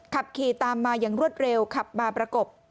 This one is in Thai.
ขับขี่ตามมาอย่างรวดเร็วขับมาประกบ